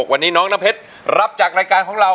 วันนี้น้องน้ำเพชรรับจากรายการของเรา